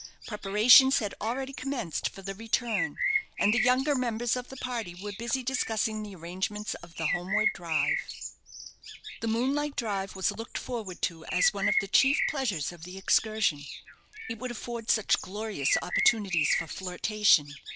Preparations had already commenced for the return, and the younger members of the party were busy discussing the arrangements of the homeward drive. That moonlight drive was looked forward to as one of the chief pleasures of the excursion; it would afford such glorious opportunities for flirtation.